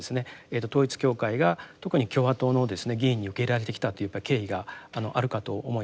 統一教会が特に共和党の議員に受け入れられてきたという経緯があるかと思います。